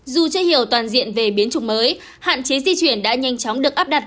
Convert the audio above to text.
dù chưa hiểu toàn diện về biến chủng mới hạn chế di chuyển đã nhanh chóng được áp đặt